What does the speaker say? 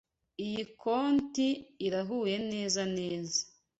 Iyi koti irahuye neza neza.